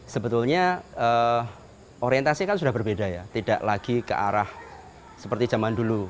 sebetulnya orientasi kan sudah berbeda ya tidak lagi ke arah seperti zaman dulu